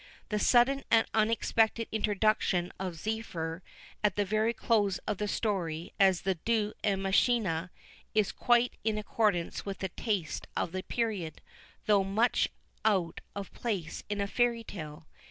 The sudden and unexpected introduction of Zephyr at the very close of the story as the Deus ex machinâ, is quite in accordance with the taste of the period, though much out of place in a fairy tale.